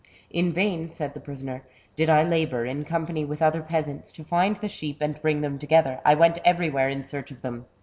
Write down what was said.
" In vain,'* said the prisoner, " did I labour, in company with other peasants, to find the sheep and bring them together. I went everywhere in search of them.